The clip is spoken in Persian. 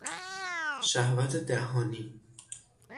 شهوت دهانی